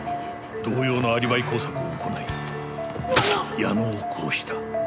同様のアリバイ工作を行い矢野を殺した。